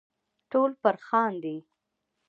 ټول پر خاندي .